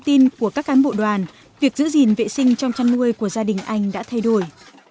tin của các cán bộ đoàn việc giữ gìn vệ sinh trong chăn nuôi của gia đình anh đã thay đổi